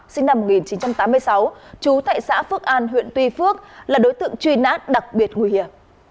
sinh năm một nghìn chín trăm tám mươi sáu trú tại xã phước an huyện tuy phước là đối tượng truy nã đặc biệt nguy hiểm